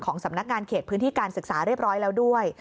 สำนักงานเขตพื้นที่การศึกษาเรียบร้อยแล้วด้วย